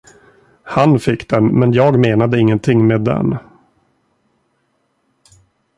Han fick den, men jag menade ingenting med den.